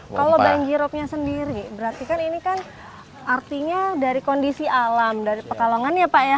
kalau banjiropnya sendiri berarti kan ini kan artinya dari kondisi alam dari pekalongan ya pak ya